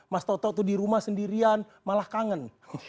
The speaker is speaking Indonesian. mas toto tuh dirumah sendirian malah kangen